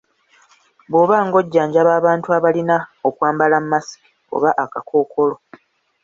Bw’oba ng’ojjanjaba abantu abalina okwambala masiki oba akakookolo.